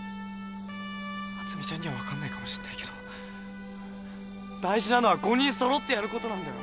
あつみちゃんには分かんないかもしんないけど大事なのは５人そろってやることなんだよ。